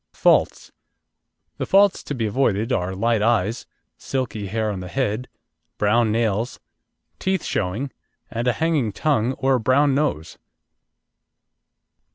FAULTS The faults to be avoided are light eyes, silky hair on the head, brown nails, teeth showing, a hanging tongue or a brown nose.